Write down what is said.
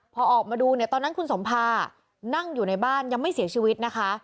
พอออกมาดูเนี่ยตอนนั้นคุณสมภานั่งอยู่ในบ้านยังไม่เสียชีวิตนะคะ